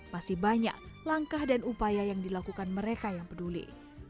masih banyak langkah dan upaya yang dilakukan mereka yang peduli